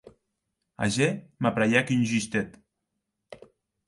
Ager m’apraièc un justet.